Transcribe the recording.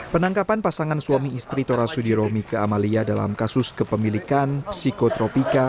penangkapan pasangan suami istri tora sudiro dan mika amalia dalam kasus kepemilikan psikotropika